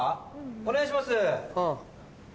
お願いします。